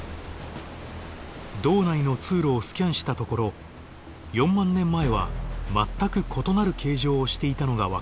洞内の通路をスキャンしたところ４万年前は全く異なる形状をしていたのが分かった。